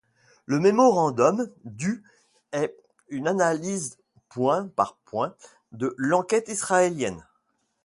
Le mémorandum du est une analyse point par point de l'enquête israélienne.